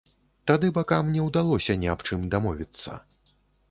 Тады бакам не ўдалося ні аб чым дамовіцца.